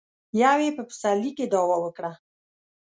يو يې په پسرلي کې دعوه وکړه.